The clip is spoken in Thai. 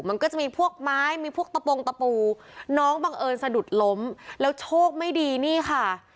มันก็จะมีพวกไม้มีพวกตะโปรงตะปูน้องบังเอิญสะดุดล้มแล้วโชคไม่ดีนี่ค่ะ